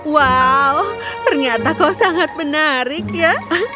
wow ternyata kok sangat menarik ya